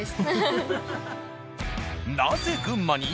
なぜ群馬に？